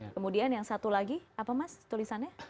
kemudian yang satu lagi apa mas tulisannya